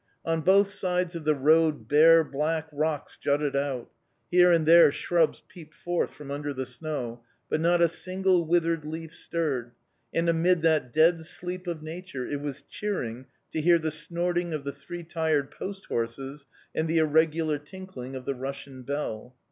On both sides of the road bare, black rocks jutted out; here and there shrubs peeped forth from under the snow; but not a single withered leaf stirred, and amid that dead sleep of nature it was cheering to hear the snorting of the three tired post horses and the irregular tinkling of the Russian bell.